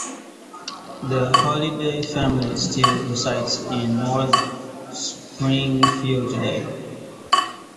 The Holliday family still resides in North Springfield today.